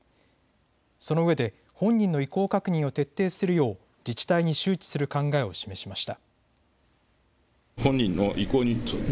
そのうえで本人の意向確認を徹底するよう自治体に周知する考えを示しました。